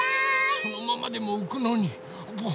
そのまんまでもうくのに。